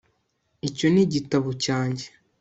icyo ni igitabo cyanjye